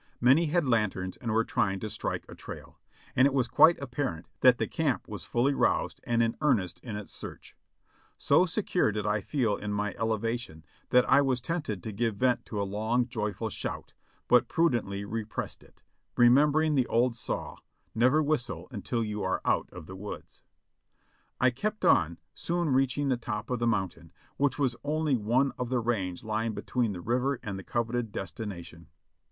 Many had lanterns and were trying to strike a trail, and it was quite apparent that the camp was fully roused and in earnest in its search. So secure did I feel in my elevation that I was tempted to give vent to a long, joyful shout, but prudently re pressed it, remembering the old saw, "never whistle until you are out of the woods." I kept on, soon reaching the top of the moun tain, which was only one of the range lying between the river and the coveted destination.